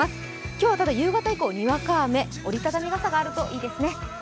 今日はたぶん夕方以降にわか雨、折り畳み傘があるといいですね